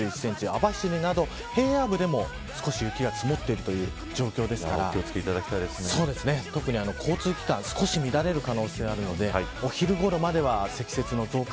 網走など平野部でも少し雪が積もっているというお気を付け特に交通機関少し乱れる可能性があるのでお昼ごろまでは積雪の増加